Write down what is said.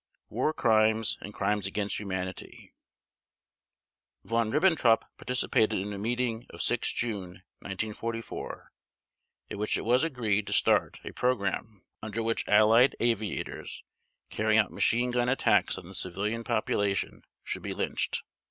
War Crimes and Crimes against Humanity Von Ribbentrop participated in a meeting of 6 June 1944, at which it was agreed to start a program under which Allied aviators carrying out machine gun attacks on the civilian population should be lynched.